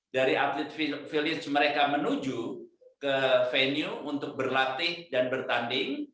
dari atlet village mereka menuju ke venue untuk berlatih dan bertanding